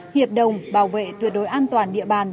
hiệp đồng bảo vệ tuyệt đối an toàn địa bàn